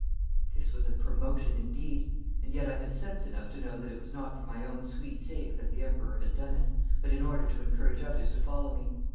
This was promotion indeed, and yet I had sense enough to know that it was not for my own sweet sake that the Emperor had done it, but in order to encourage others to follow me.